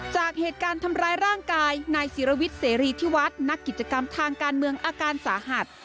จากเหตุการณ์ทำร้ายร่างกายนายศิรวิทย์เสรีที่วัดนักกิจกรรมทางการเมืองอาการสาหัส